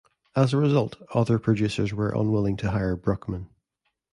As a result, other producers were unwilling to hire Bruckman.